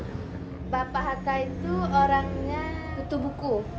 bapak hk itu orangnya kutubuku